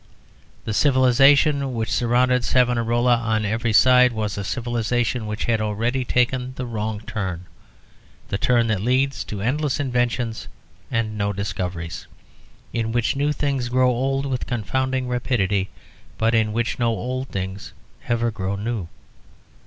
The civilisation which surrounded Savonarola on every side was a civilisation which had already taken the wrong turn, the turn that leads to endless inventions and no discoveries, in which new things grow old with confounding rapidity, but in which no old things ever grow new.